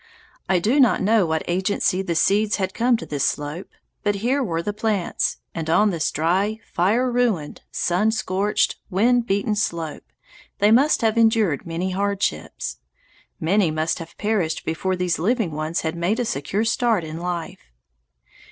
I do not know by what agency the seeds had come to this slope, but here were the plants, and on this dry, fire ruined, sun scorched, wind beaten slope they must have endured many hardships. Many must have perished before these living ones had made a secure start in life.